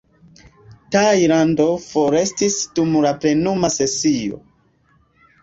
Tajlando forestis dum la plenuma sesio.